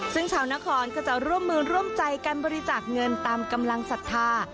ซึ่งชาวนครก็จะร่วมมือร่วมใจกันบริจาคเงินตามกำลังศรัทธา